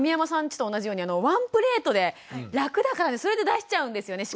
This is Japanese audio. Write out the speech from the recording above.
ちと同じようにワンプレートで楽だからそれで出しちゃうんですよね